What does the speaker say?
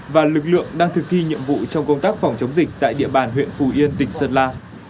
và lực lượng đang thực thi nhiệm vụ trong công tác phòng chống dịch tại địa bàn huyện phù yên tỉnh sơn la